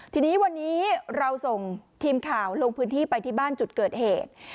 ทีนี้วันนี้เราส่งทีมข่าวลงพื้นที่ไปที่บ้านจุดเกิดเหตุ